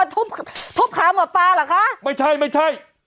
อ๋อทุบทุบขาหมอปลาร่ะคะไม่ใช่ไม่ใช่